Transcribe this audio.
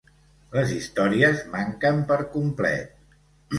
Les històries manquen per complet.